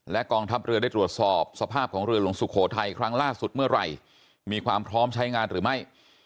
กองทัพเรือได้ตรวจสอบสภาพของเรือหลวงสุโขทัยครั้งล่าสุดเมื่อไหร่มีความพร้อมใช้งานหรือไม่